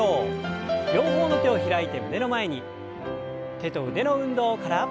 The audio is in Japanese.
手と腕の運動から。